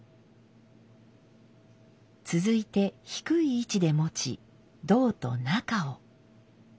続いて低い位置で持ち胴と中を。